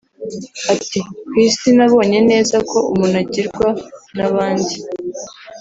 Ati “Ku Isi nabonye neza ko umuntu agirwa n’abandi